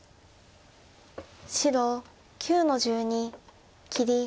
白９の十二切り。